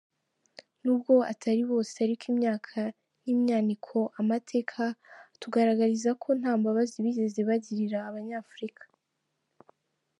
Nubwo atari bose, ariko imyaka nimyaniko, amateka atugaragariza ko ntambabazi bigeze bagirira abanyafrica.